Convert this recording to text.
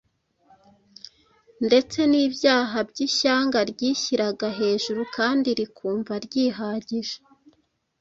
ndetse n’ibyaha by’ishyanga ryishyiraga hejuru kandi rikumva ryihagije.